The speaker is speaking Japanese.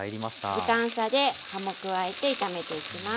時間差で葉も加えて炒めていきます。